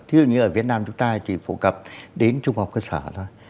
thí dụ như ở việt nam chúng ta chỉ phổ cập đến trung học cơ sở thôi